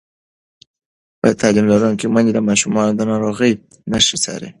تعلیم لرونکې میندې د ماشومانو د ناروغۍ نښې څاري.